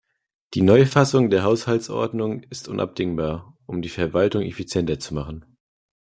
Die Neufassung der Haushaltsordnung ist unabdingbar, um die Verwaltung effizienter zu machen.